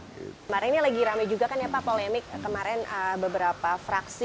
kemarin ini lagi rame juga kan ya pak polemik kemarin beberapa fraksi